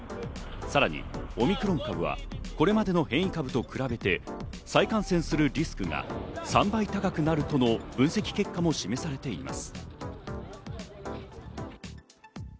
さらにオミクロン株はこれまでの変異株と比べて再感染するリスクが３倍高くなるとの分析結果も示されています。